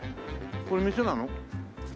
これ店なの？